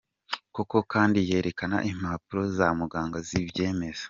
Koko kandi yerekana impapuro za muganga zibyemeza.